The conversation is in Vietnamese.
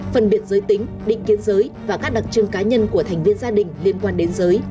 phân biệt giới tính định kiến giới và các đặc trưng cá nhân của thành viên gia đình liên quan đến giới